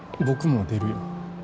僕も出るよ。